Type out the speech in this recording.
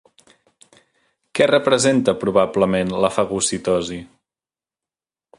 Què representa probablement la fagocitosi?